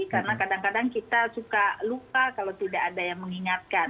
karena kadang kadang kita suka lupa kalau tidak ada yang mengingatkan